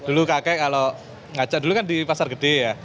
dulu kakek kalau ngajak dulu kan di pasar gede ya